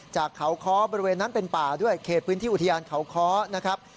จากเขาค้อบริเวณนั้นเป็นป่าด้วยเขตพื้นที่อุทยานเขาค้อนะครับ